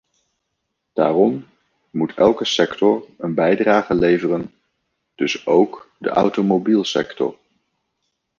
Daarom moet elke sector een bijdrage leveren, dus ook de automobielsector.